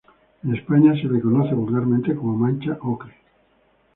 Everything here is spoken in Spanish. En España se le conoce vulgarmente como mancha ocre.